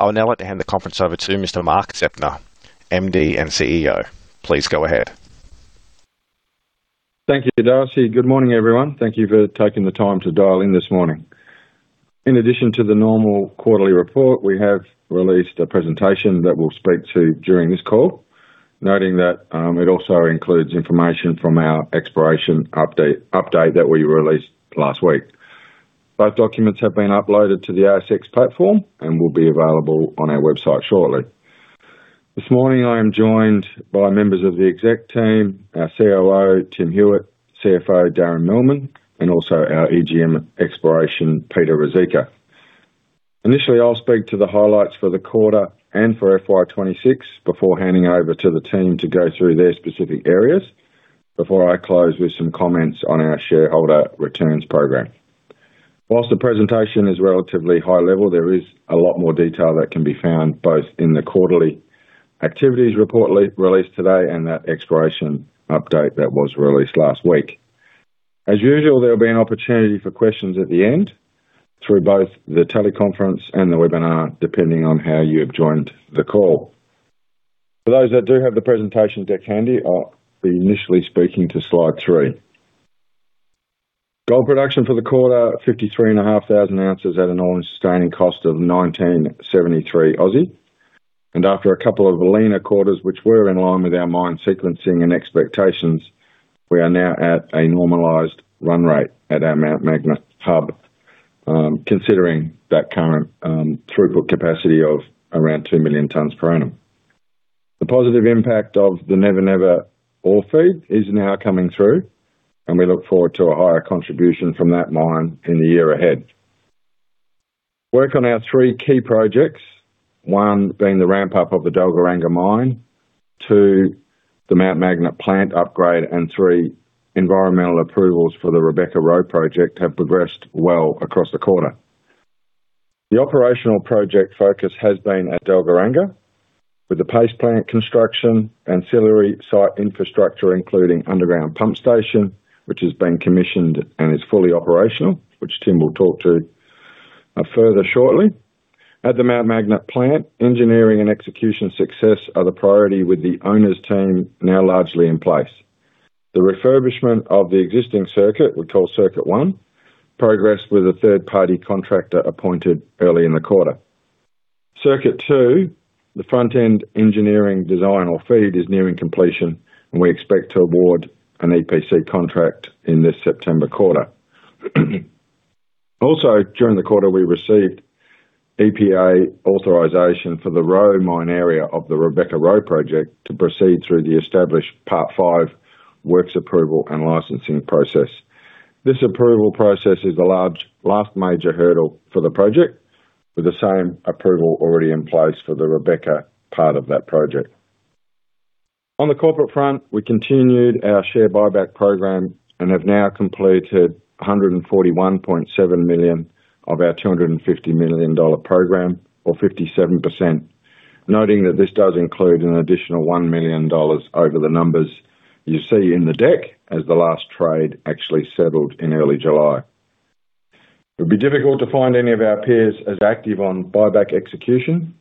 I would now like to hand the conference over to Mr. Mark Zeptner, MD and CEO. Please go ahead. Thank you, Darcy. Good morning, everyone. Thank you for taking the time to dial in this morning. In addition to the normal quarterly report, we have released a presentation that we'll speak to during this call, noting that it also includes information from our exploration update that we released last week. Both documents have been uploaded to the ASX platform and will be available on our website shortly. This morning I am joined by members of the exec team, our COO, Tim Hewitt, CFO, Darren Millman, also our EGM Exploration, Peter Ruzicka. Initially, I'll speak to the highlights for the quarter and for FY 2026 before handing over to the team to go through their specific areas before I close with some comments on our shareholder returns program. Whilst the presentation is relatively high level, there is a lot more detail that can be found both in the quarterly activities report released today and that exploration update that was released last week. As usual, there will be an opportunity for questions at the end through both the teleconference and the webinar, depending on how you have joined the call. For those that do have the presentation deck handy, I'll be initially speaking to slide three. Gold production for the quarter, 53,500 ounces at an all-in sustaining cost of 1,973. After a couple of leaner quarters, which were in line with our mine sequencing and expectations, we are now at a normalized run rate at our Mt Magnet Hub, considering that current throughput capacity of around 2 million tonnes per annum. The positive impact of the Never Never ore feed is now coming through. We look forward to a higher contribution from that mine in the year ahead. Work on our three key projects, one being the ramp up of the Dalgaranga Mine, two, the Mt Magnet plant upgrade, and three, environmental approvals for the Rebecca-Roe Project have progressed well across the quarter. The operational project focus has been at Dalgaranga, with the paste plant construction, ancillary site infrastructure, including underground pump station, which has been commissioned and is fully operational, which Tim will talk to further shortly. At the Mt Magnet plant, engineering and execution success are the priority with the owner's team now largely in place. The refurbishment of the existing circuit, we call Circuit 1, progressed with a third-party contractor appointed early in the quarter. Circuit 2, the front-end engineering design or FEED is nearing completion. We expect to award an EPC contract in this September quarter. During the quarter, we received EPA authorization for the Roe Mine Area of the Rebecca-Roe Project to proceed through the established Part V works approval and licensing process. This approval process is the last major hurdle for the project, with the same approval already in place for the Rebecca part of that project. On the corporate front, we continued our share buyback program and have now completed 141.7 million of our 250 million dollar program, or 57%. Noting that this does include an additional 1 million dollars over the numbers you see in the deck, as the last trade actually settled in early July. It would be difficult to find any of our peers as active on buyback execution.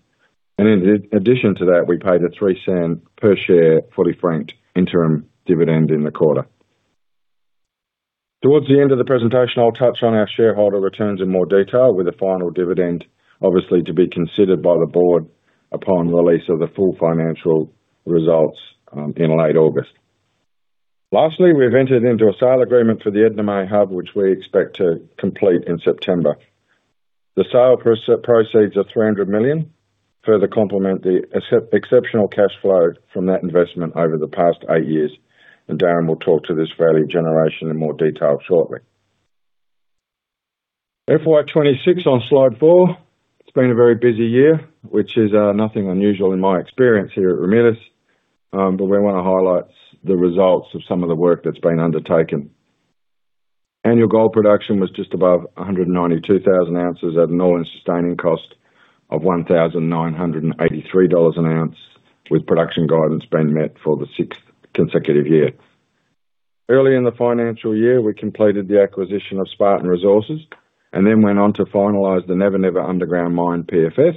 In addition to that, we paid an 0.03 per share fully franked interim dividend in the quarter. Towards the end of the presentation, I'll touch on our shareholder returns in more detail, with a final dividend, obviously to be considered by the board upon release of the full financial results in late August. Lastly, we've entered into a sale agreement for the Edna May Hub, which we expect to complete in September. The sale proceeds of 300 million further complement the exceptional cash flow from that investment over the past eight years. Darren will talk to this value generation in more detail shortly. FY 2026 on slide four. It's been a very busy year, which is nothing unusual in my experience here at Ramelius. We want to highlight the results of some of the work that's been undertaken. Annual gold production was just above 192,000 ounces at an all-in sustaining cost of 1,983 dollars an ounce, with production guidance being met for the sixth consecutive year. Early in the financial year, we completed the acquisition of Spartan Resources and then went on to finalize the Never Never underground mine PFS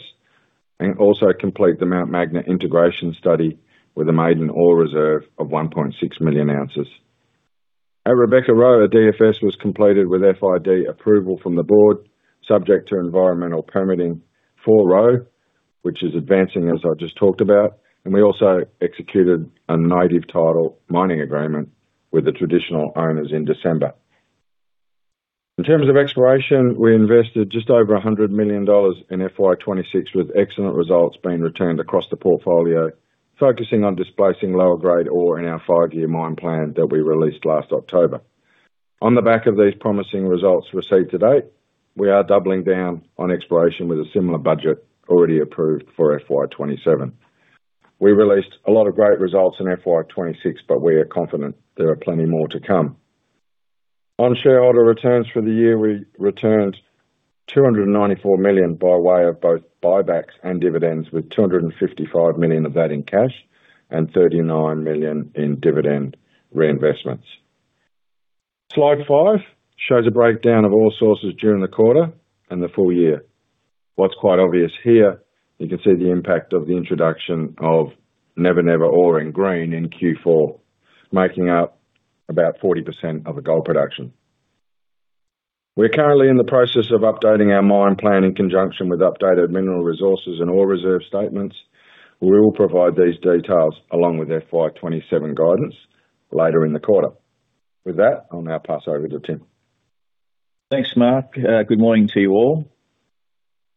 and also complete the Mt Magnet integration study with a maiden ore reserve of 1.6 million ounces. At Rebecca-Roe, a DFS was completed with FID approval from the board, subject to environmental permitting for Roe, which is advancing as I just talked about. We also executed a Native Title mining agreement with the traditional owners in December. In terms of exploration, we invested just over 100 million dollars in FY 2026, with excellent results being returned across the portfolio, focusing on displacing lower grade ore in our five-year mine plan that we released last October. On the back of these promising results received to date, we are doubling down on exploration with a similar budget already approved for FY 2027. We released a lot of great results in FY 2026. We are confident there are plenty more to come. On shareholder returns for the year, we returned 294 million by way of both buybacks and dividends, with 255 million of that in cash and 39 million in dividend reinvestments. Slide five shows a breakdown of all sources during the quarter and the full-year. What's quite obvious here, you can see the impact of the introduction of Never Never ore in green in Q4, making up about 40% of the gold production. We're currently in the process of updating our mine plan in conjunction with updated mineral resources and ore reserve statements. We will provide these details along with FY 2027 guidance later in the quarter. With that, I'll now pass over to Tim. Thanks, Mark. Good morning to you all.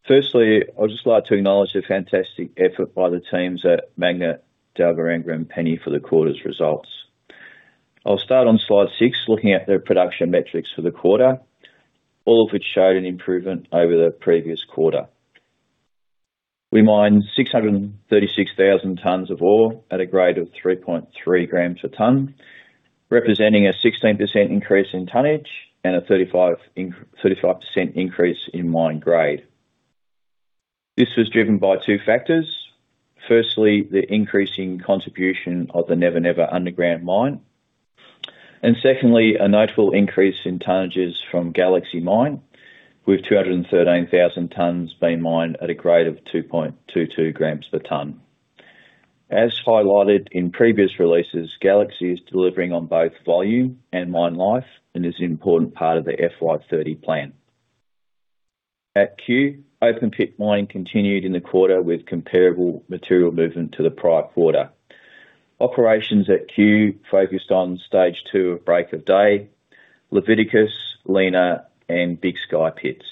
Firstly, I'd just like to acknowledge the fantastic effort by the teams at Mt Magnet, Dalgaranga, and Penny for the quarter's results. I'll start on slide six, looking at the production metrics for the quarter, all of which showed an improvement over the previous quarter. We mined 636,000 tonnes of ore at a grade of 3.3 g/tonne, representing a 16% increase in tonnage and a 35% increase in mine grade. This was driven by two factors. Secondly, a notable increase in tonnages from Galaxy Mine, with 213,000 tonnes being mined at a grade of 2.22 g/tonne. As highlighted in previous releases, Galaxy is delivering on both volume and mine life and is an important part of the FY 2030 plan. At Cue, open pit mining continued in the quarter with comparable material movement to the prior quarter. Operations at Cue focused on Stage 2 of Break of Day, Leviticus, Lena, and Big Sky pits.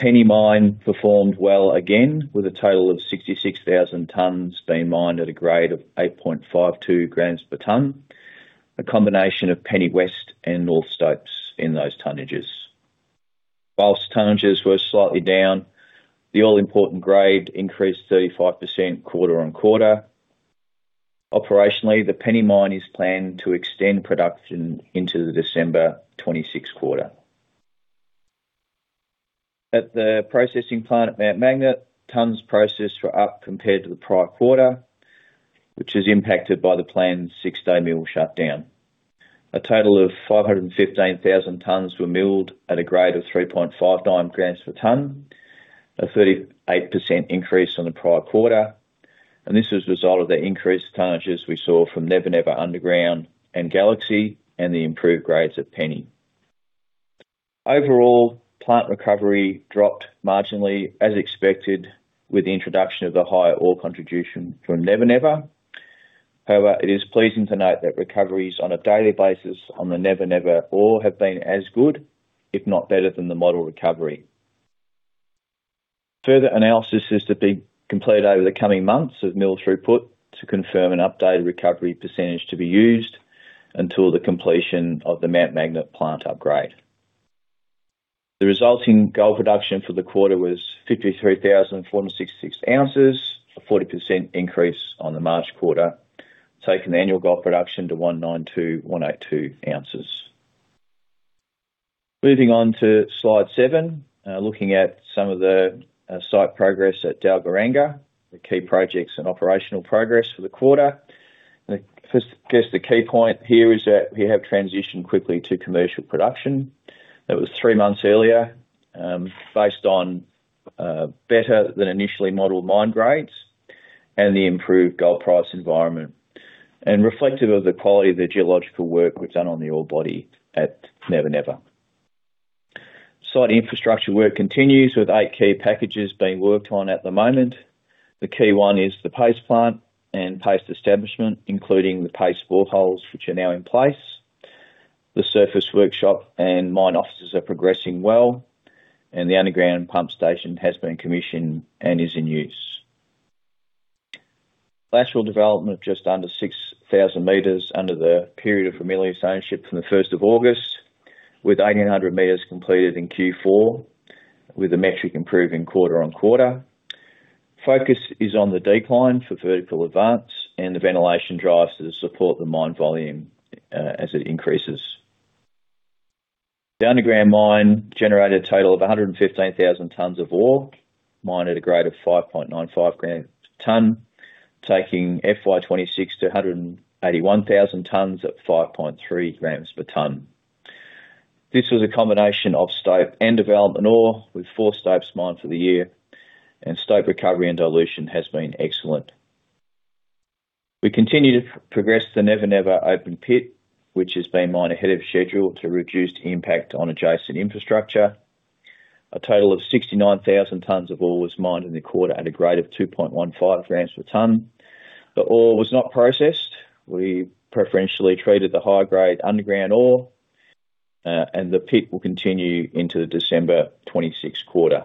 Penny Mine performed well again with a total of 66,000 tonnes being mined at a grade of 8.52 g/tonne. A combination of Penny West and Penny North in those tonnages. Whilst tonnages were slightly down, the all-important grade increased 35% quarter-on-quarter. Operationally, the Penny Mine is planned to extend production into the December 2026 quarter. At the processing plant at Mt Magnet, tonnes processed were up compared to the prior quarter, which is impacted by the planned six-day mill shutdown. A total of 515,000 tonnes were milled at a grade of 3.59 g/tonne, a 38% increase on the prior quarter. This was a result of the increased tonnages we saw from Never Never underground and Galaxy, the improved grades at Penny. Overall, plant recovery dropped marginally as expected with the introduction of the higher ore contribution from Never Never. However, it is pleasing to note that recoveries on a daily basis on the Never Never ore have been as good, if not better than the model recovery. Further analysis is to be completed over the coming months of mill throughput to confirm an updated recovery percentage to be used until the completion of the Mt Magnet plant upgrade. The resulting gold production for the quarter was 53,466 ounces, a 40% increase on the March quarter, taking the annual gold production to 192,182 ounces. Moving on to slide seven, looking at some of the site progress at Dalgaranga, the key projects and operational progress for the quarter. I guess the key point here is that we have transitioned quickly to commercial production. That was three months earlier, based on better than initially modeled mine grades and the improved gold price environment. Reflective of the quality of the geological work we have done on the ore body at Never Never. Site infrastructure work continues with eight key packages being worked on at the moment. The key one is the paste plant and paste establishment, including the paste boreholes, which are now in place. The surface workshop and mine offices are progressing well, and the underground pump station has been commissioned and is in use. Last hole development just under 6,000 m under the period of Ramelius ownership from the 1st of August, with 1,800 m completed in Q4, with the metric improving quarter-on-quarter. Focus is on the decline for vertical advance and the ventilation drives to support the mine volume as it increases. The underground mine generated a total of 115,000 tonnes of ore, mined at a grade of 5.95 g/tonne, taking FY 2026 to 181,000 tonnes at 5.3 g/tonne. This was a combination of stope and development ore, with four stopes mined for the year, and stope recovery and dilution has been excellent. We continue to progress the Never Never open pit, which is being mined ahead of schedule to reduce the impact on adjacent infrastructure. A total of 69,000 tonnes of ore was mined in the quarter at a grade of 2.15 g/tonne. The ore was not processed. We preferentially treated the high-grade underground ore, and the pit will continue into the December 2026 quarter.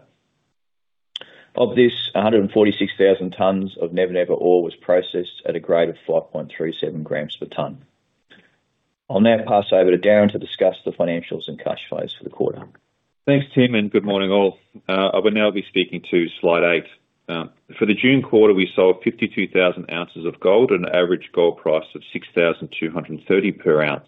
Of this, 146,000 tonnes of Never Never ore was processed at a grade of 5.37 g/tonne. I will now pass over to Darren to discuss the financials and cash flows for the quarter. Thanks, Tim, and good morning all. I will now be speaking to slide eight. For the June quarter, we sold 52,000 ounces of gold at an average gold price of 6,230 per ounce.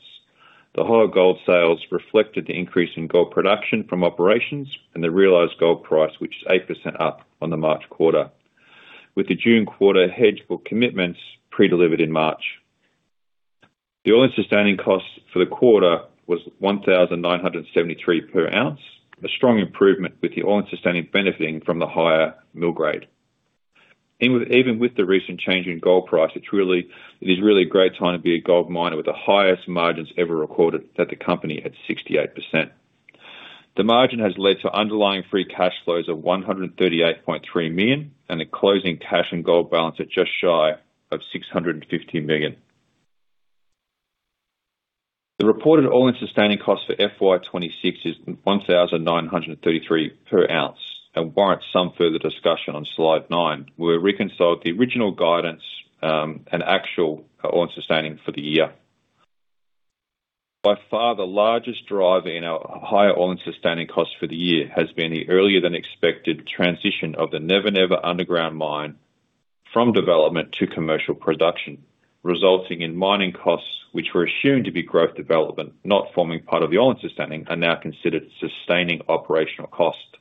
The higher gold sales reflected the increase in gold production from operations and the realized gold price, which is 8% up on the March quarter. With the June quarter hedge for commitments pre-delivered in March. The all-in sustaining costs for the quarter was 1,973 per ounce, a strong improvement with the all-in sustaining benefiting from the higher mill grade. Even with the recent change in gold price, it is really a great time to be a gold miner with the highest margins ever recorded that the company had 68%. The margin has led to underlying free cash flows of 138.3 million, and a closing cash and gold balance at just shy of 650 million. The reported all-in sustaining cost for FY 2026 is 1,933 per ounce, and warrants some further discussion on slide nine, where we reconciled the original guidance, and actual all-in sustaining for the year. By far, the largest driver in our higher all-in sustaining costs for the year has been the earlier than expected transition of the Never Never underground mine from development to commercial production, resulting in mining costs, which were assumed to be growth development, not forming part of the all-in sustaining, are now considered sustaining operational cost.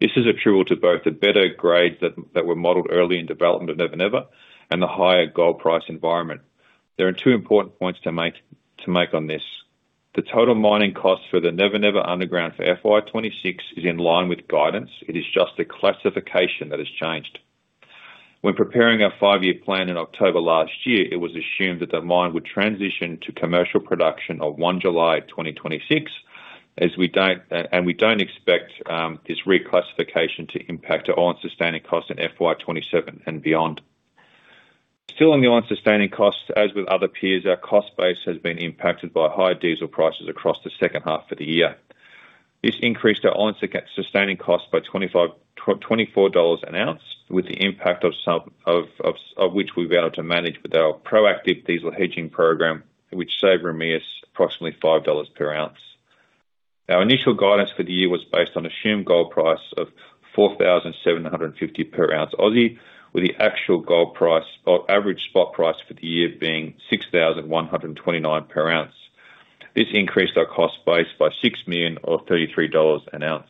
This is accrual to both the better grades that were modeled early in development at Never Never, and the higher gold price environment. There are two important points to make on this. The total mining cost for the Never Never underground for FY 2026 is in line with guidance. It is just the classification that has changed. When preparing our five-year plan in October last year, it was assumed that the mine would transition to commercial production of 1 July 2026. We don't expect this reclassification to impact our all-in sustaining cost in FY 2027 and beyond. Still on the all-in sustaining costs, as with other peers, our cost base has been impacted by higher diesel prices across the second half of the year. This increased our all-in sustaining cost by 24 dollars an ounce, with the impact of which we've been able to manage with our proactive diesel hedging program, which save Ramelius approximately 5 dollars per ounce. Our initial guidance for the year was based on assumed gold price of 4,750 per ounce, with the actual average spot price for the year being 6,129 per ounce. This increased our cost base by 6 million, or 33 dollars an ounce.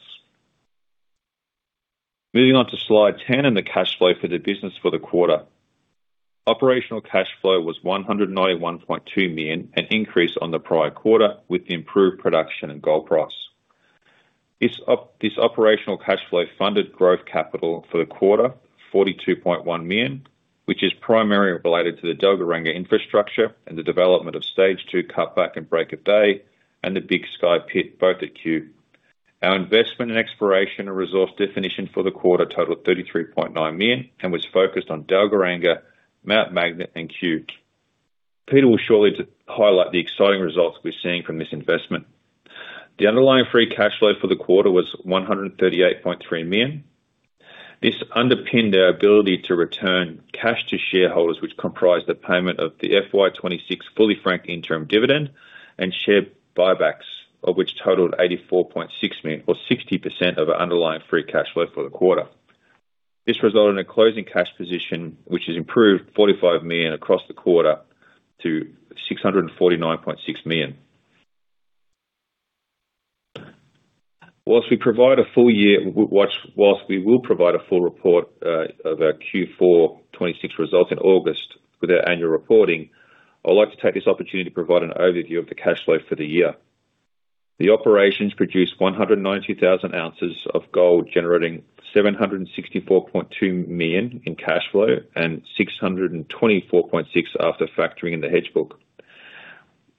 Moving on to slide 10 and the cash flow for the business for the quarter. Operational cash flow was 191.2 million, an increase on the prior quarter, with the improved production and gold price. This operational cash flow funded growth capital for the quarter, 42.1 million, which is primarily related to the Dalgaranga infrastructure and the development of Stage 2 cutback and break of day, and the Big Sky pit both at Cue. Our investment in exploration and resource definition for the quarter totaled 33.9 million and was focused on Dalgaranga, Mt Magnet, and Cue. Peter will shortly highlight the exciting results we're seeing from this investment. The underlying free cash flow for the quarter was 138.3 million. This underpinned our ability to return cash to shareholders, which comprised a payment of the FY 2026 fully franked interim dividend and share buybacks, of which totaled 84.6 million or 60% of our underlying free cash flow for the quarter. This resulted in a closing cash position which has improved 45 million across the quarter to 649.6 million. Whilst we will provide a full report of our Q4 2026 results in August with our annual reporting, I would like to take this opportunity to provide an overview of the cash flow for the year. The operations produced 190,000 ounces of gold, generating 764.2 million in cash flow and 624.6 million after factoring in the hedge book.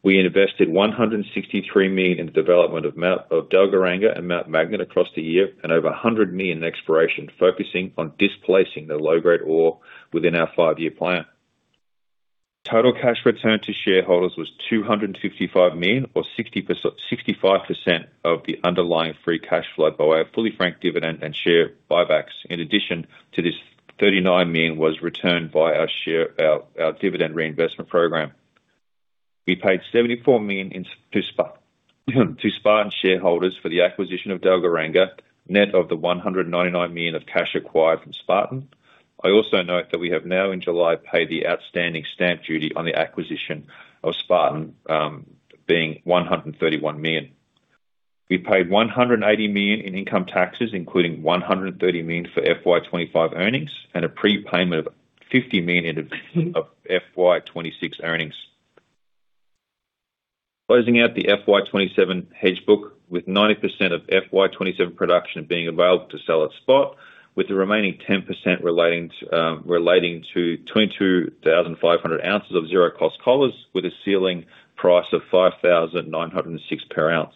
We invested 163 million in the development of Dalgaranga and Mt Magnet across the year and over 100 million in exploration, focusing on displacing the low-grade ore within our five-year plan. Total cash return to shareholders was 255 million or 65% of the underlying free cash flow by way of fully franked dividend and share buybacks. In addition to this, 39 million was returned via our dividend reinvestment program. We paid 74 million to Spartan shareholders for the acquisition of Dalgaranga, net of the 199 million of cash acquired from Spartan. I also note that we have now in July paid the outstanding stamp duty on the acquisition of Spartan, being 131 million. We paid 180 million in income taxes, including 130 million for FY 2025 earnings and a prepayment of 50 million of FY 2026 earnings. Closing out the FY 2027 hedge book with 90% of FY 2027 production being available to sell at spot, with the remaining 10% relating to 22,500 ounces of zero cost collars with a ceiling price of 5,906 per ounce.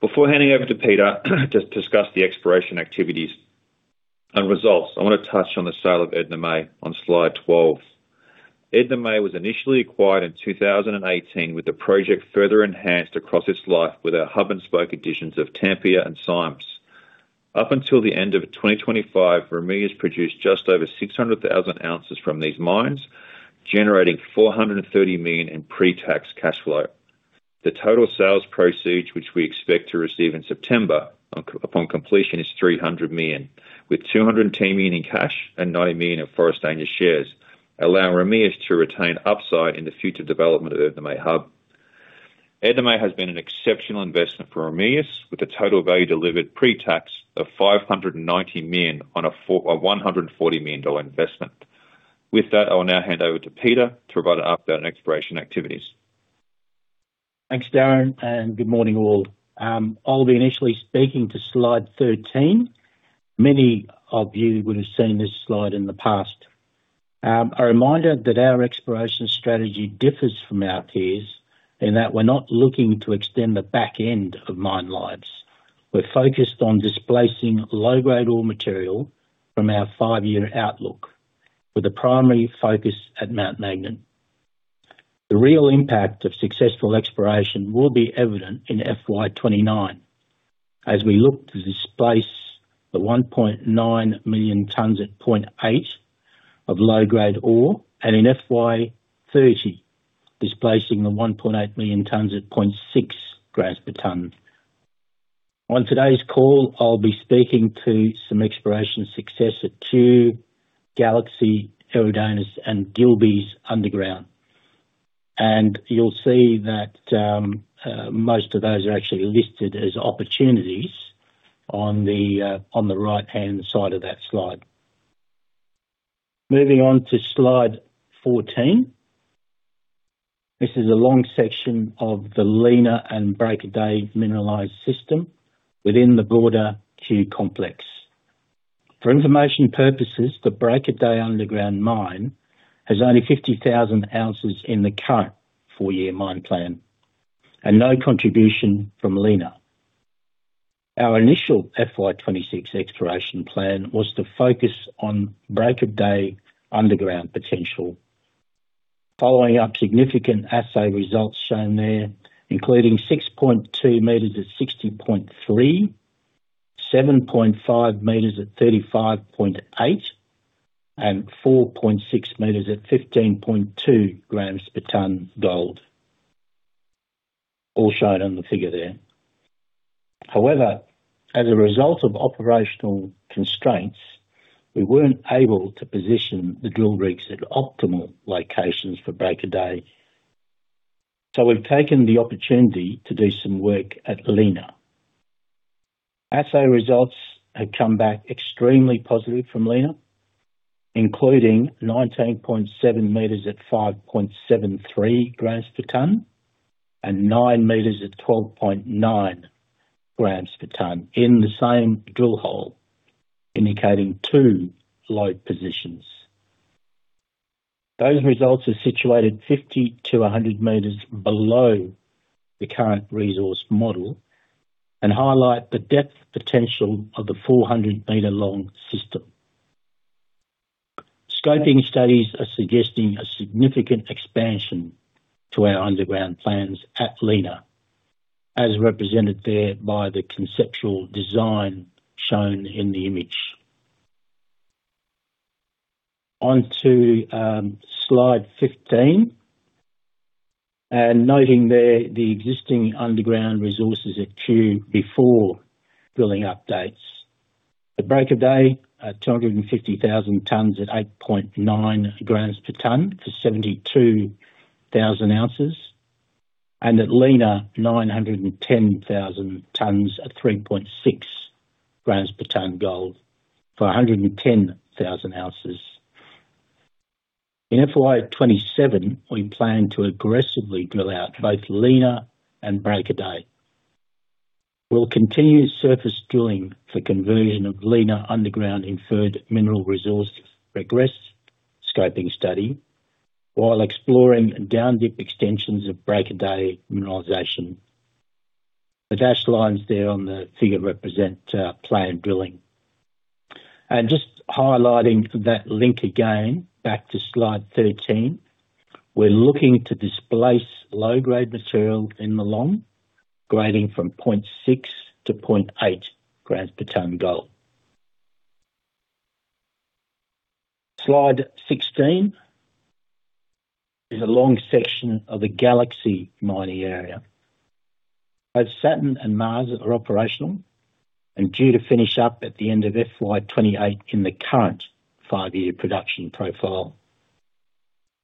Before handing over to Peter to discuss the exploration activities and results, I want to touch on the sale of Edna May on slide 12. Edna May was initially acquired in 2018 with the project further enhanced across its life with our hub and spoke additions of Tampia and Symes. Up until the end of 2025, Ramelius produced just over 600,000 ounces from these mines, generating 430 million in pre-tax cash flow. The total sales proceeds, which we expect to receive in September upon completion, is 300 million, with 210 million in cash and 90 million in Forrestania Resources shares. Allowing Ramelius to retain upside in the future development of Edna May Hub. Edna May has been an exceptional investment for Ramelius, with a total value delivered pre-tax of 590 million on a 140 million dollar investment. With that, I will now hand over to Peter to provide an update on exploration activities. Thanks, Darren, and good morning all. I'll be initially speaking to slide 13. Many of you would have seen this slide in the past. A reminder that our exploration strategy differs from our peers in that we're not looking to extend the back end of mine lives. We're focused on displacing low-grade ore material from our five-year outlook with a primary focus at Mt Magnet. The real impact of successful exploration will be evident in FY 2029 as we look to displace the 1.9 million tonnes at 0.8 of low-grade ore, and in FY 2030, displacing the 1.8 million tonnes at 0.6 g/tonne. On today's call, I'll be speaking to some exploration success at Cue Complex, Eridanus, and Gilbey's underground. You'll see that most of those are actually listed as opportunities on the right-hand side of that slide. Moving on to slide 14. This is a long section of the Lena and Break of Day mineralized system within the broader Cue Complex. For information purposes, the Break of Day underground mine has only 50,000 ounces in the current four-year mine plan and no contribution from Lena. Our initial FY 2026 exploration plan was to focus on Break of Day underground potential. Following up significant assay results shown there, including 6.2 m at 60.3, 7.5 m at 35.8, and 4.6 m at 15.2 g/tonne gold. All shown on the figure there. As a result of operational constraints, we weren't able to position the drill rigs at optimal locations for Break of Day. We've taken the opportunity to do some work at Lena. Assay results have come back extremely positive from Lena, including 19.7 m at 5.73 g/tonne and 9 m at 12.9 g/tonne in the same drill hole, indicating two load positions. Those results are situated 50-100 m below the current resource model and highlight the depth potential of the 400 m long system. Scoping studies are suggesting a significant expansion to our underground plans at Lena, as represented there by the conceptual design shown in the image. On to slide 15, noting there the existing underground resources at Cue before drilling updates. The Break of Day at 250,000 tonnes at 8.9 g/tonne for 72,000 ounces. At Lena, 910,000 tonnes at 3.6 g/tonne gold for 110,000 ounces. In FY 2027, we plan to aggressively drill out both Lena and Break of Day. We'll continue surface drilling for conversion of Lena underground inferred mineral resource progress scoping study while exploring down-dip extensions of Break of Day mineralization. The dashed lines there on the figure represent planned drilling. Just highlighting that link again, back to slide 13. We're looking to displace low-grade material in the long, grading from 0.6 to 0.8 g/tonne gold. Slide 16 is a long section of the Galaxy mining area. Both Saturn and Mars are operational and due to finish up at the end of FY 2028 in the current five-year production profile.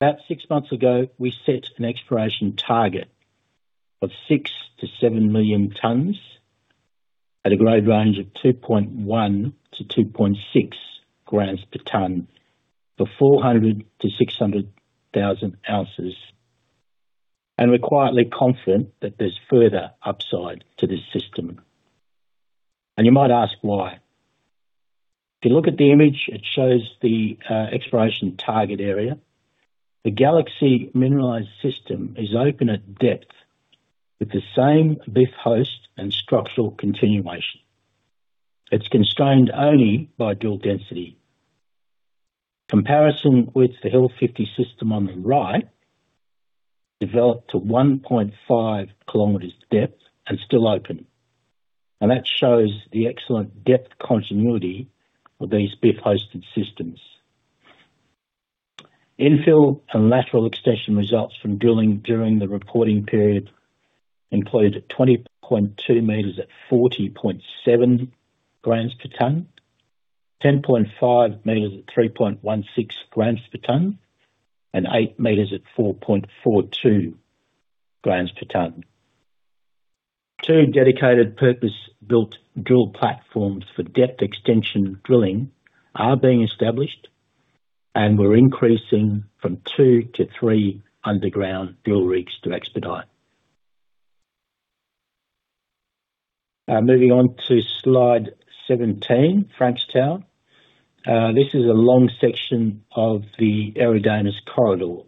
About six months ago, we set an exploration target of 6 million-7 million tonnes at a grade range of 2.1-2.6 g/tonne for 400,000-600,000 ounces. We're quietly confident that there's further upside to this system. You might ask why. If you look at the image, it shows the exploration target area. The Galaxy mineralized system is open at depth with the same BIF host and structural continuation. It's constrained only by drill density. Comparison with the Hill 50 system on the right developed to 1.5 km depth and still open. That shows the excellent depth continuity of these BIF hosted systems. Infill and lateral extension results from drilling during the reporting period included 20.2 m at 40.7 g/tonne, 10.5 m at 3.16 g/tonne, and 8 m at 4.42 g/tonne. Two dedicated purpose-built drill platforms for depth extension drilling are being established, and we're increasing from two to three underground drill rigs to expedite. Moving on to slide 17, Franks Tower. This is a long section of the Eridanus corridor.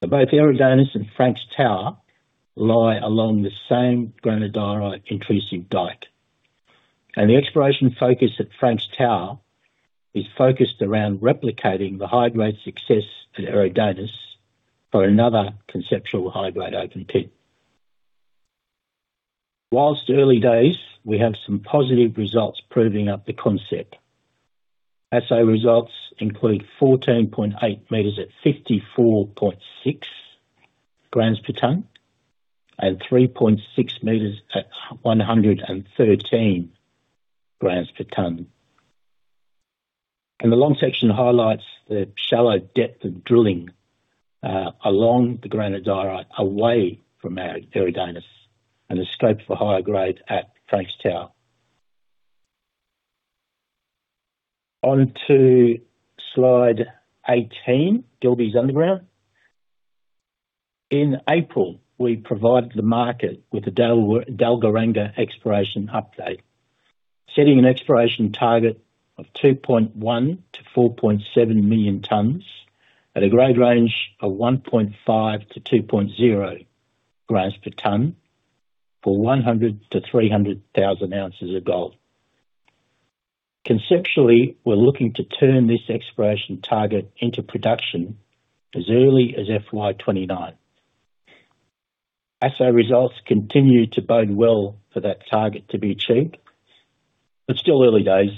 Both Eridanus and Franks Tower lie along the same granodiorite intrusive dike. The exploration focus at Franks Tower is focused around replicating the high-grade success at Eridanus for another conceptual high-grade open pit. Whilst early days, we have some positive results proving up the concept. Assay results include 14.8 m at 54.6 g/tonne and 3.6 m at 113 g/tonne. The long section highlights the shallow depth of drilling along the granodiorite, away from our Eridanus, and the scope for higher grade at Franks Tower. On to slide 18, Gilbey's underground. In April, we provided the market with the Dalgaranga exploration update, setting an exploration target of 2.1 million-4.7 million tonnes at a grade range of 1.5-2.0 g/tonne for 100,000-300,000 ounces of gold. Conceptually, we're looking to turn this exploration target into production as early as FY 2029. Assay results continue to bode well for that target to be achieved, but still early days,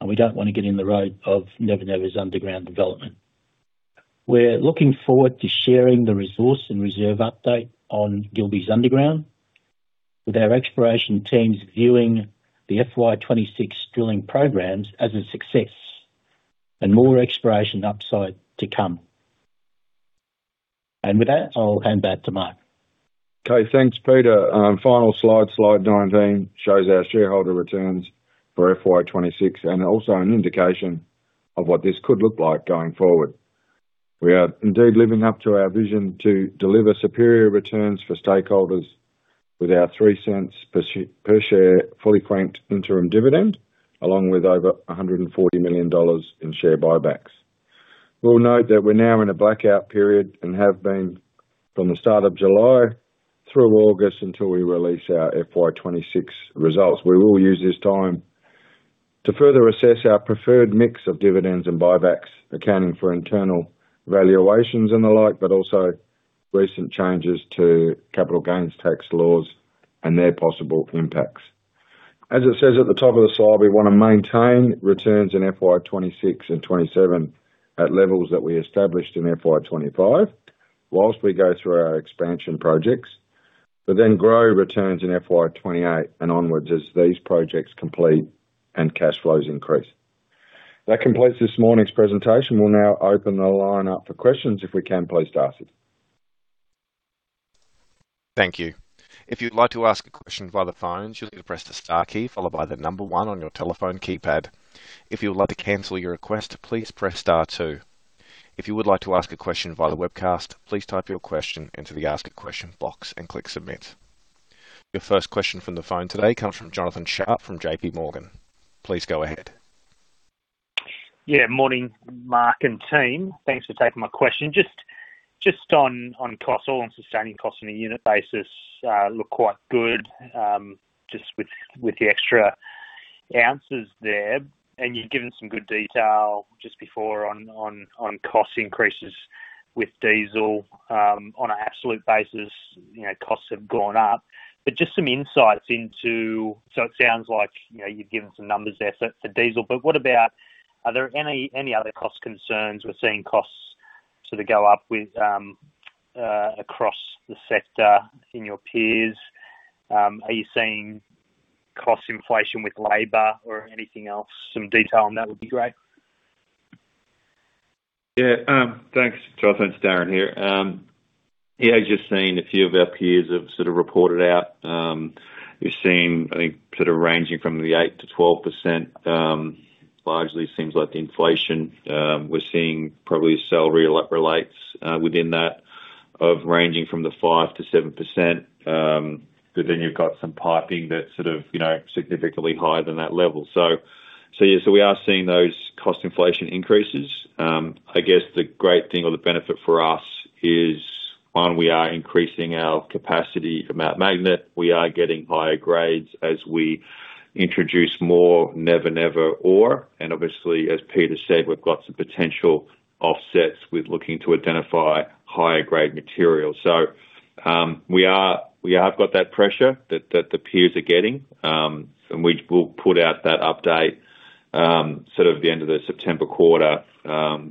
and we don't want to get in the road of Never Never's underground development. We're looking forward to sharing the resource and reserve update on Gilbey's underground, with our exploration teams viewing the FY 2026 drilling programs as a success. More exploration upside to come. With that, I'll hand back to Mark. Okay, thanks, Peter. Final slide 19, shows our shareholder returns for FY 2026 and also an indication of what this could look like going forward. We are indeed living up to our vision to deliver superior returns for stakeholders with our 0.03 per share fully franked interim dividend, along with over 140 million dollars in share buybacks. We'll note that we're now in a blackout period and have been from the start of July through August until we release our FY 2026 results. We will use this time to further assess our preferred mix of dividends and buybacks, accounting for internal valuations and the like, also recent changes to capital gains tax laws and their possible impacts. As it says at the top of the slide, we want to maintain returns in FY 2026 and FY 2027 at levels that we established in FY 2025 whilst we go through our expansion projects. Then grow returns in FY 2028 and onwards as these projects complete and cash flows increase. That completes this morning's presentation. We'll now open the line up for questions. If we can, please start it. Thank you. If you'd like to ask a question via the phone, you'll need to press the star key followed by the number one on your telephone keypad. If you would like to cancel your request, please press star two. If you would like to ask a question via the webcast, please type your question into the Ask a Question box and click Submit. Your first question from the phone today comes from Jonathan Sharp from JPMorgan. Please go ahead. Yeah. Morning, Mark and team. Thanks for taking my question. Just on costs, all on sustaining costs on a unit basis look quite good, just with the extra ounces there. You've given some good detail just before on cost increases with diesel. On an absolute basis, costs have gone up. Just some insights into It sounds like you've given some numbers there for diesel, but what about, are there any other cost concerns? We're seeing costs sort of go up across the sector in your peers. Are you seeing cost inflation with labor or anything else? Some detail on that would be great. Yeah. Thanks, Jonathan. It's Darren here. Just seeing a few of our peers have sort of reported out. We're seeing, I think, sort of ranging from the 8%-12%. Largely seems like the inflation we're seeing probably salary relates within that of ranging from the 5%-7%. Then you've got some piping that's sort of significantly higher than that level. Yeah. We are seeing those cost inflation increases. I guess the great thing or the benefit for us is, one, we are increasing our capacity from Mt Magnet. We are getting higher grades as we introduce more Never Never ore. Obviously, as Peter said, we've got some potential offsets with looking to identify higher grade material. We have got that pressure that the peers are getting. We will put out that update at the end of the September quarter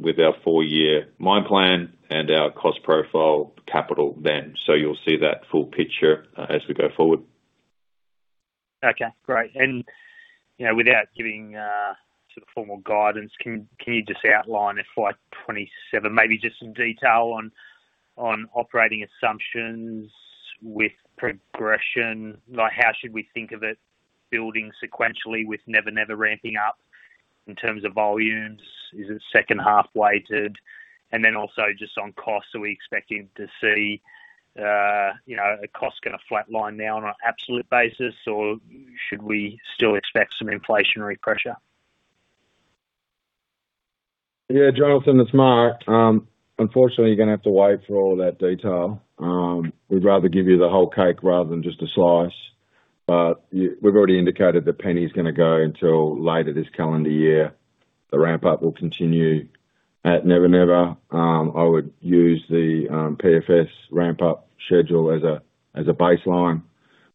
with our four-year mine plan and our cost profile capital then. You'll see that full picture as we go forward. Okay, great. Without giving formal guidance, can you just outline FY 2027, maybe just some detail on operating assumptions with progression? How should we think of it building sequentially with Never Never ramping up in terms of volumes? Is it second half weighted? Also just on costs, are we expecting to see costs going to flatline now on an absolute basis, or should we still expect some inflationary pressure? Yeah. Jonathan, it's Mark. Unfortunately, you're going to have to wait for all of that detail. We'd rather give you the whole cake rather than just a slice. We've already indicated that Penny's going to go until later this calendar year. The ramp up will continue at Never Never. I would use the PFS ramp up schedule as a baseline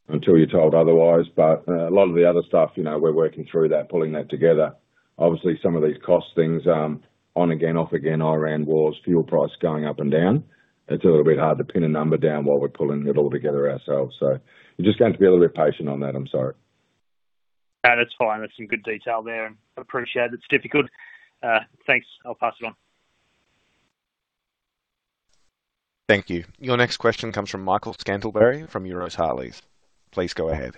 until you're told otherwise. A lot of the other stuff, we're working through that, pulling that together. Obviously, some of these cost things, on again, off again, Iran wars, fuel price going up and down. It's a little bit hard to pin a number down while we're pulling it all together ourselves. You're just going to have to be a little bit patient on that. I'm sorry. No, that's fine. That's some good detail there and appreciate it's difficult. Thanks. I'll pass it on. Thank you. Your next question comes from Michael Scantlebury from Euroz Hartleys. Please go ahead.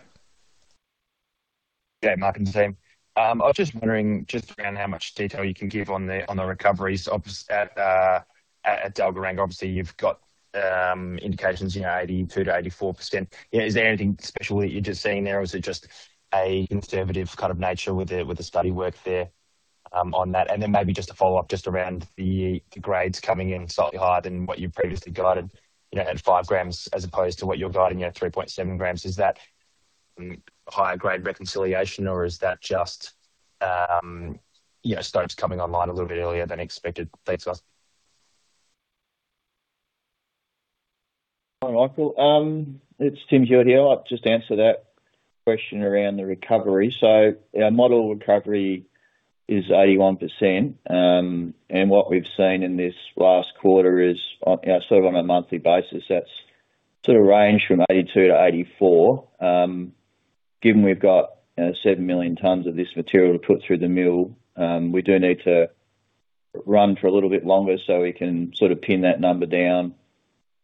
Yeah, Mark and team. I was just wondering just around how much detail you can give on the recoveries at Dalgaranga. Obviously, you've got indications, 82%-84%. Is there anything special that you're just seeing there or is it just a conservative kind of nature with the study work there on that? Then maybe just to follow up just around the grades coming in slightly higher than what you previously guided at 5 g as opposed to what you're guiding at 3.7 g. Is that higher grade reconciliation or is that just stopes coming online a little bit earlier than expected? Thanks, guys. Hi, Michael. It's Tim here. I'll just answer that question around the recovery. Our model recovery is 81%, and what we've seen in this last quarter is sort of on a monthly basis, that's sort of ranged from 82%-84%. Given we've got 7 million tonnes of this material to put through the mill, we do need to run for a little bit longer so we can sort of pin that number down,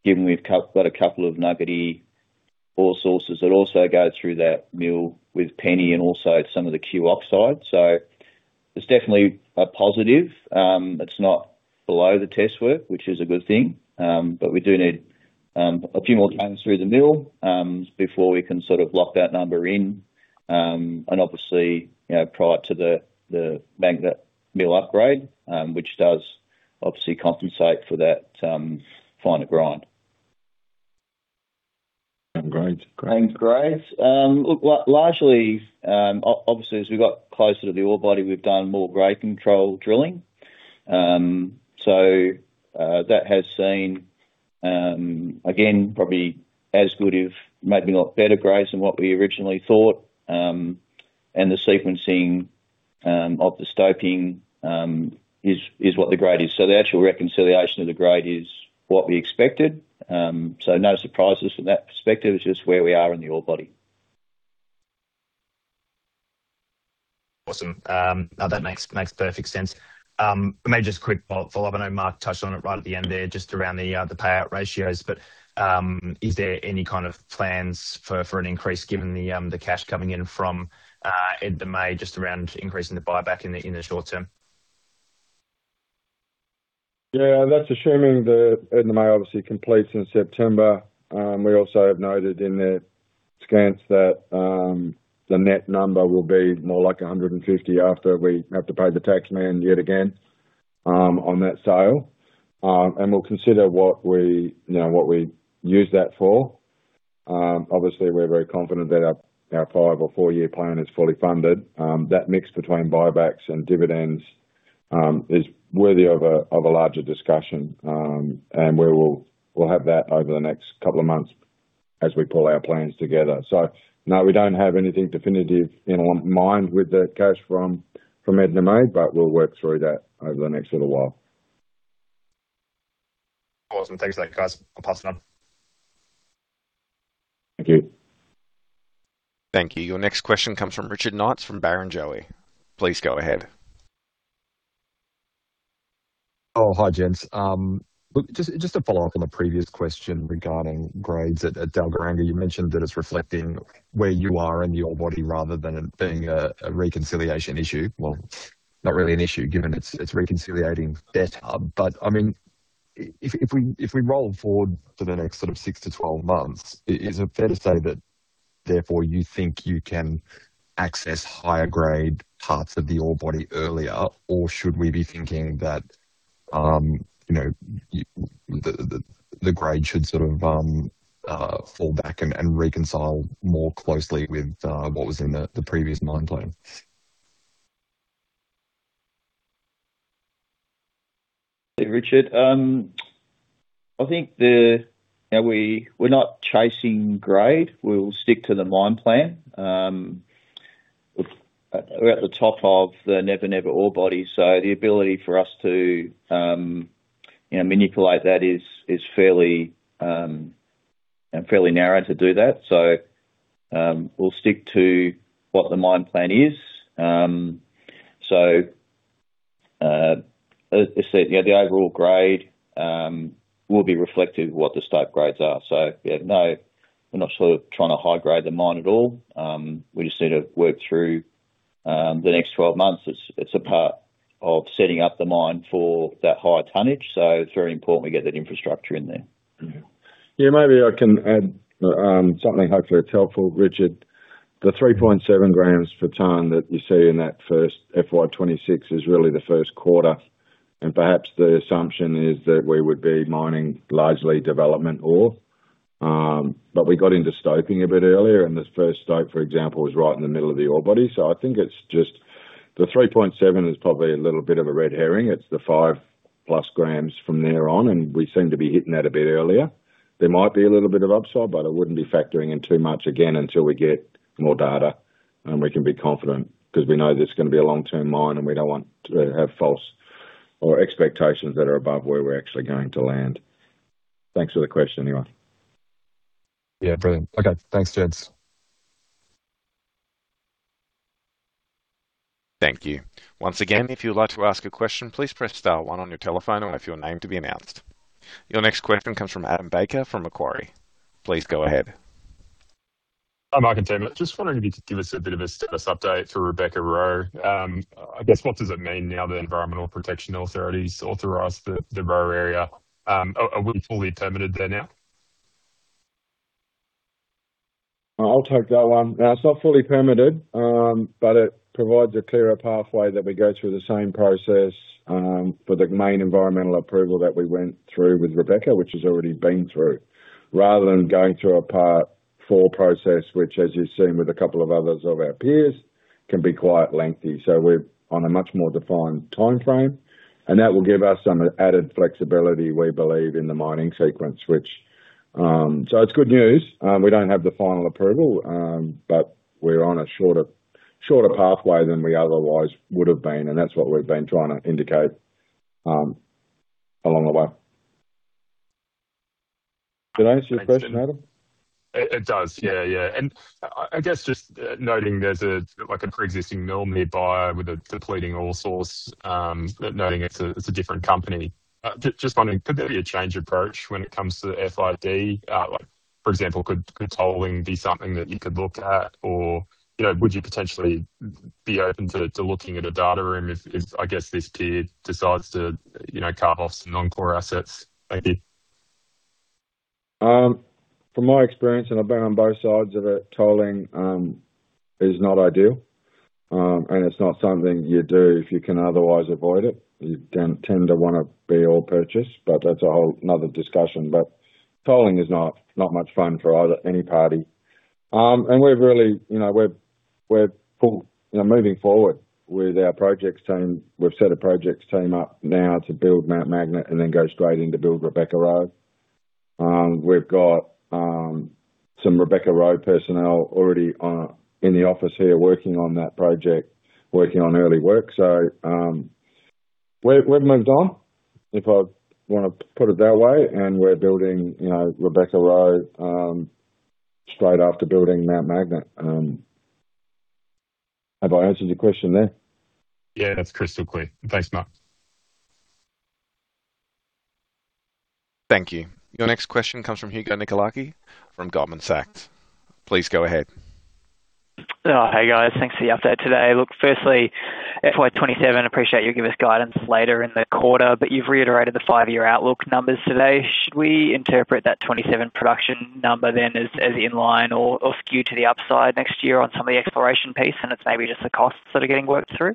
given we've got a couple of nuggety ore sources that also go through that mill with Penny and also some of the Cue oxide. It's definitely a positive. It's not below the test work, which is a good thing, but we do need a few more tonnes through the mill before we can sort of lock that number in. Obviously, prior to the Mt Magnet mill upgrade, which does obviously compensate for that finer grind. Grades. Grades. Look, largely, obviously, as we got closer to the ore body, we've done more grade control drilling. That has seen, again, probably as good if maybe not better grades than what we originally thought. The sequencing of the stoping is what the grade is. The actual reconciliation of the grade is what we expected. No surprises from that perspective. It's just where we are in the ore body. Awesome. No, that makes perfect sense. Maybe just quick follow up. I know Mark touched on it right at the end there, just around the payout ratios, but is there any kind of plans for an increase given the cash coming in from Edna May just around increasing the buyback in the short term? Yeah. That's assuming the Edna May obviously completes in September. We also have noted in the accounts that the net number will be more like 150 million after we have to pay the tax man yet again on that sale. We'll consider what we use that for. Obviously, we're very confident that our five or four-year plan is fully funded. That mix between buybacks and dividends is worthy of a larger discussion, and we'll have that over the next couple of months as we pull our plans together. No, we don't have anything definitive in mind with the cash from Edna May, we'll work through that over the next little while. Awesome. Thanks for that, guys. I'll pass it on. Thank you. Thank you. Your next question comes from Richard Knights from Barrenjoey. Please go ahead. Hi, gents. Look, just to follow up on the previous question regarding grades at Dalgaranga. You mentioned that it's reflecting where you are in the ore body rather than it being a reconciliation issue. Well, not really an issue given it's reconciliating better. If we roll forward to the next sort of 6-12 months, is it fair to say that therefore you think you can access higher grade parts of the ore body earlier? Should we be thinking that the grade should sort of fall back and reconcile more closely with what was in the previous mine plan? Richard, I think we're not chasing grade. We'll stick to the mine plan. We're at the top of the Never Never ore body, so the ability for us to manipulate that is fairly narrow to do that. We'll stick to what the mine plan is. As I said, the overall grade will be reflective of what the stope grades are. We're not sort of trying to high-grade the mine at all. We just need to work through the next 12 months. It's a part of setting up the mine for that higher tonnage. It's very important we get that infrastructure in there. Maybe I can add something, hopefully it's helpful, Richard. The 3.7 g/tonne that you see in that first FY 2026 is really the first quarter, and perhaps the assumption is that we would be mining largely development ore. We got into stoping a bit earlier and this first stope, for example, was right in the middle of the ore body. I think it's just the 3.7 is probably a little bit of a red herring. It's the 5 g-plus from there on, we seem to be hitting that a bit earlier. There might be a little bit of upside, I wouldn't be factoring in too much again until we get more data and we can be confident. We know that it's going to be a long-term mine, we don't want to have false or expectations that are above where we're actually going to land. Thanks for the question, anyway. Brilliant. Thanks, gents. Thank you. Once again, if you'd like to ask a question, please press star one on your telephone and wait for your name to be announced. Your next question comes from Adam Baker from Macquarie. Please go ahead. Hi, Mark and team. I'm just wondering if you could give us a bit of a status update for Rebecca-Roe. I guess what does it mean now that Environmental Protection Authorities authorized the Roe area? Are we fully permitted there now? I'll take that one. No, it's not fully permitted, but it provides a clearer pathway that we go through the same process, for the main environmental approval that we went through with Rebecca, which has already been through. Rather than going through a Part IV process, which as you've seen with a couple of others of our peers, can be quite lengthy. We're on a much more defined timeframe, and that will give us some added flexibility, we believe, in the mining sequence. It's good news. We don't have the final approval, but we're on a shorter pathway than we otherwise would have been, and that's what we've been trying to indicate along the way. Did I answer your question, Adam? It does. Yeah. I guess just noting there's a preexisting mill nearby with a depleting ore source, but noting it's a different company. Just wondering, could there be a change approach when it comes to FID? Like, for example, could tolling be something that you could look at? Would you potentially be open to looking at a data room if, I guess, this peer decides to carve off some non-core assets? Thank you. From my experience, I've been on both sides of it, tolling is not ideal. It's not something you do if you can otherwise avoid it. You tend to want to be ore purchase, that's a whole another discussion. Tolling is not much fun for any party. We're really moving forward with our projects team. We've set a projects team up now to build Mt Magnet and then go straight in to build Rebecca-Roe. We've got some Rebecca-Roe personnel already in the office here working on that project, working on early work. We've moved on, if I want to put it that way. We're building Rebecca-Roe straight after building Mt Magnet. Have I answered your question there? Yeah, that's crystal clear. Thanks, Mark. Thank you. Your next question comes from Hugo Nicolaci from Goldman Sachs. Please go ahead. Hey, guys. Thanks for the update today. Look, firstly, FY 2027, appreciate you'll give us guidance later in the quarter, you've reiterated the five-year outlook numbers today. Should we interpret that 2027 production number then as inline or skewed to the upside next year on some of the exploration piece, it's maybe just the costs that are getting worked through?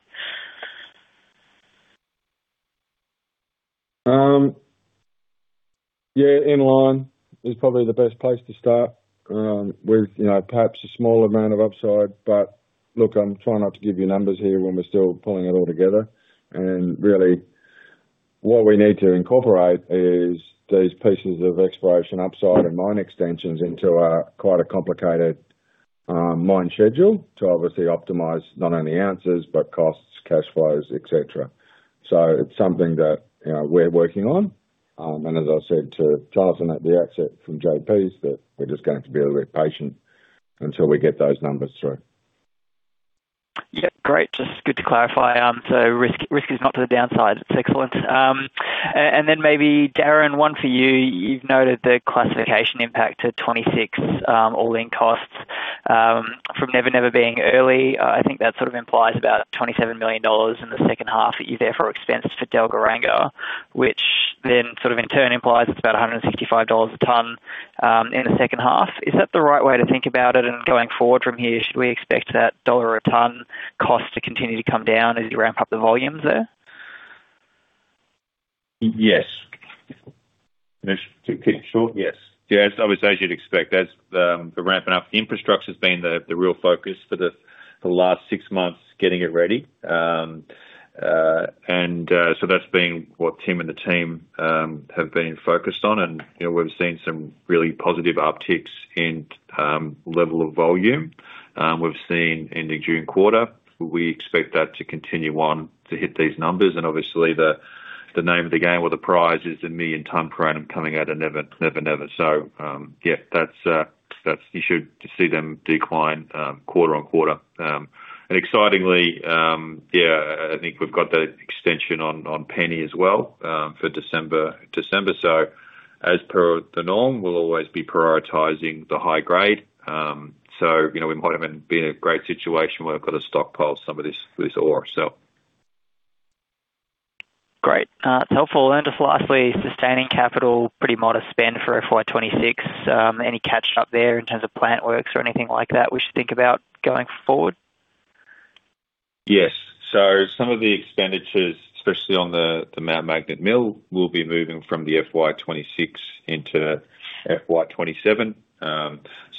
Inline is probably the best place to start. With perhaps a small amount of upside, but look, I'm trying not to give you numbers here when we're still pulling it all together. Really, what we need to incorporate is these pieces of exploration upside and mine extensions into a quite a complicated mine schedule to obviously optimize not only ounces, but costs, cash flows, et cetera. It's something that we're working on. As I said to Jonathan at the outset from JPMorgan, that we're just going to be a little bit patient until we get those numbers through. Great. Just good to clarify. Risk is not to the downside. It's excellent. Then maybe, Darren, one for you. You've noted the classification impact to 2026, all-in costs from Never Never being early. I think that sort of implies about 27 million dollars in the second half that you therefore expensed for Dalgaranga, which then sort of in turn implies it's about 165 dollars a tonne in the second half. Is that the right way to think about it? Going forward from here, should we expect that dollar-a-tonne cost to continue to come down as you ramp up the volumes there? Yes. Finish, keep it short? Yes, obviously, as you'd expect, that's the ramping up. Infrastructure's been the real focus for the last six months, getting it ready. That's been what Tim and the team have been focused on and we've seen some really positive upticks in level of volume. We've seen in the June quarter. We expect that to continue on to hit these numbers and obviously the name of the game or the prize is 1 million tonne per annum coming out of Never Never. Yeah, you should see them decline quarter on quarter. Excitingly, yeah, I think we've got the extension on Penny as well for December. As per the norm, we'll always be prioritizing the high grade. We might even be in a great situation where we've got to stockpile some of this ore. Great. It's helpful. Just lastly, sustaining capital, pretty modest spend for FY 2026. Any catch-up there in terms of plant works or anything like that we should think about going forward? Yes. Some of the expenditures, especially on the Mt Magnet mill, will be moving from the FY 2026 into FY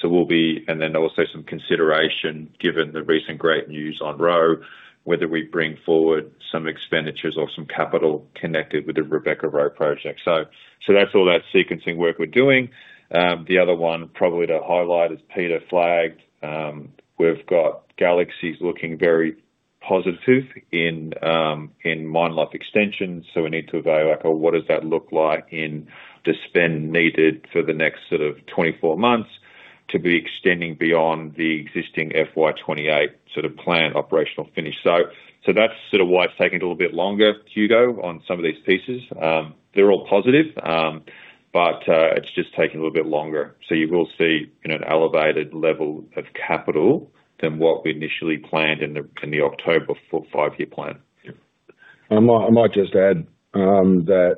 2027. Also some consideration, given the recent great news on Roe, whether we bring forward some expenditures or some capital connected with the Rebecca-Roe project. That's all that sequencing work we're doing. The other one probably to highlight, as Peter flagged, we've got Galaxy looking very positive in mine life extensions. We need to evaluate, what does that look like in the spend needed for the next sort of 24 months to be extending beyond the existing FY 2028 sort of planned operational finish. That's sort of why it's taking a little bit longer, Hugo, on some of these pieces. They're all positive, but it's just taking a little bit longer. You will see an elevated level of capital than what we initially planned in the October full five-year plan. Yeah. I might just add that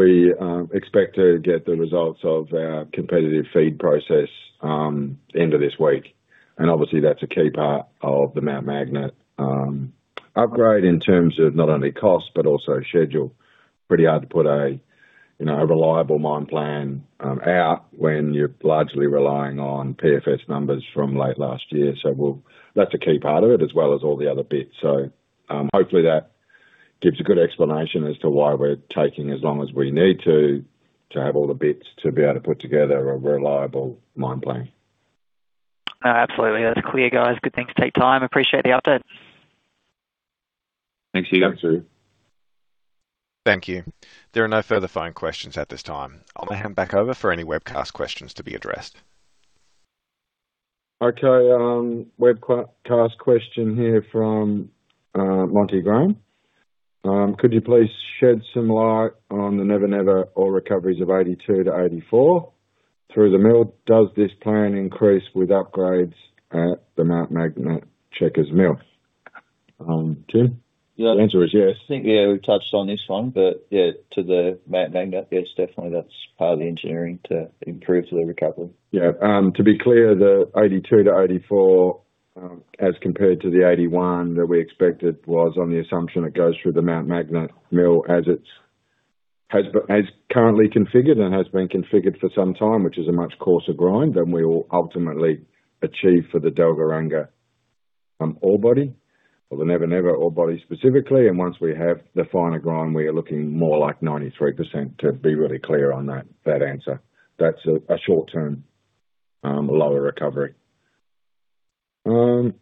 we expect to get the results of our competitive FEED process end of this week. Obviously that's a key part of the Mt Magnet upgrade in terms of not only cost but also schedule. Pretty hard to put a reliable mine plan out when you're largely relying on PFS numbers from late last year. That's a key part of it as well as all the other bits. Hopefully that gives a good explanation as to why we're taking as long as we need to have all the bits to be able to put together a reliable mine plan. Absolutely. That's clear, guys. Good thing to take time. Appreciate the update. Thanks, Hugo. Thank you. There are no further phone questions at this time. I'll now hand back over for any webcast questions to be addressed. Okay, webcast question here from Monty Graham. Could you please shed some light on the Never Never ore recoveries of 82%-84% through the mill? Does this plan increase with upgrades at the Mt Magnet Checkers Mill? Tim? Yeah. The answer is yes. I think, we've touched on this one, but to the Mt Magnet, yes, definitely that's part of the engineering to improve the recovery. To be clear, the 82%-84%, as compared to the 81% that we expected was on the assumption it goes through the Mt Magnet mill as currently configured and has been configured for some time, which is a much coarser grind than we will ultimately achieve for the Dalgaranga ore body or the Never Never ore body specifically. Once we have the finer grind, we are looking more like 93% to be really clear on that answer. That's a short-term, lower recovery. Question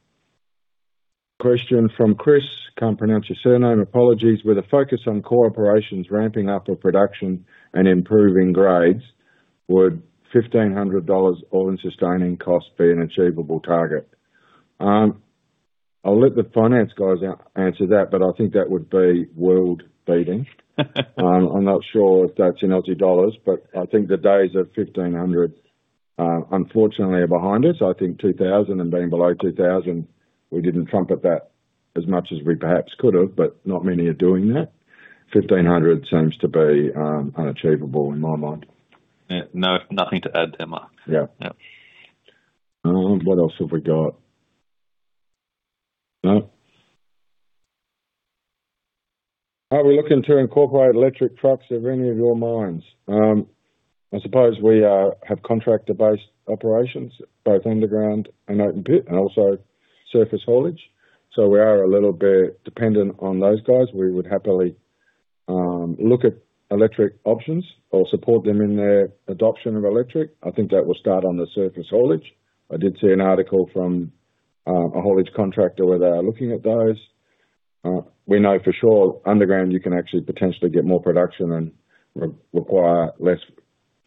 from Chris, can't pronounce your surname, apologies. With a focus on core operations ramping up of production and improving grades, would 1,500 dollars all-in sustaining cost be an achievable target? I'll let the finance guys answer that, but I think that would be world-beating. I'm not sure if that's in Australian dollars, but I think the days of 1,500, unfortunately, are behind us. I think 2,000 and being below 2,000, we didn't trumpet that as much as we perhaps could have, not many are doing that. 1,500 seems to be unachievable in my mind. Yeah. No. Nothing to add there, Mark. Yeah. Yeah. What else have we got? No? Are we looking to incorporate electric trucks at any of your mines? I suppose we have contractor-based operations, both underground and open pit, and also surface haulage. We are a little bit dependent on those guys. We would happily look at electric options or support them in their adoption of electric. I think that will start on the surface haulage. I did see an article from a haulage contractor where they are looking at those. We know for sure underground you can actually potentially get more production and require less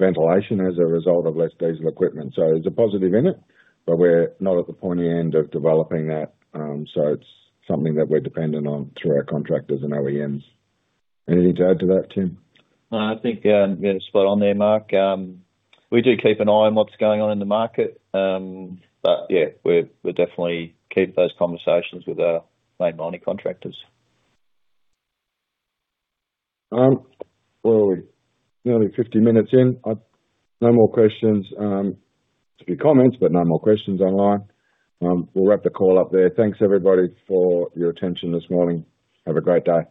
ventilation as a result of less diesel equipment. There's a positive in it, but we're not at the pointy end of developing that. It's something that we're dependent on through our contractors and OEMs. Anything to add to that, Tim? No, I think you're spot on there, Mark. We do keep an eye on what's going on in the market. Yeah, we'll definitely keep those conversations with our main mining contractors. We're nearly 50 minutes in. No more questions. A few comments, but no more questions online. We'll wrap the call up there. Thanks everybody for your attention this morning. Have a great day.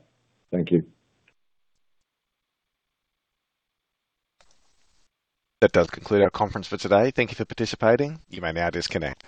Thank you. That does conclude our conference for today. Thank you for participating. You may now disconnect.